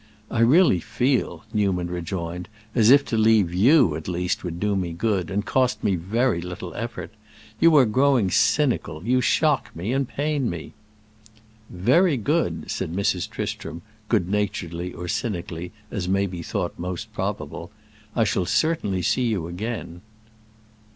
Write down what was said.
"I really feel," Newman rejoined, "as if to leave you, at least, would do me good—and cost me very little effort. You are growing cynical, you shock me and pain me." "Very good," said Mrs. Tristram, good naturedly or cynically, as may be thought most probable. "I shall certainly see you again."